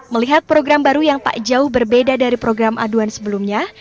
melihat program baru yang tak jauh berbeda dari program aduan sebelumnya